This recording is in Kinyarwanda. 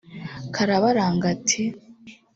Karabaranga ati